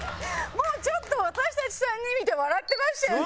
もうちょっと私たち３人見て笑ってましたよね？